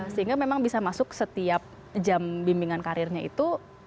sehingga memang bisa masuk setiap jam bimbingan karirnya itu